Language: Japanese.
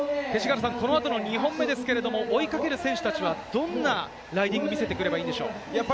この後の２本目ですけれども、追いかける選手たちはどんなライディングを見せてくればいいんでしょう？